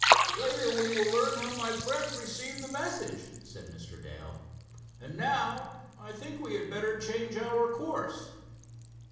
"Later we will learn how my friend received the message," said Mr. Dale. "And now I think we had better change our course."